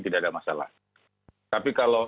tidak ada masalah tapi kalau